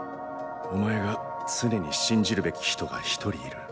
お前が常に信じるべき人が１人いる。